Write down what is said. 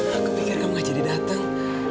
aku pikir kamu gak jadi datang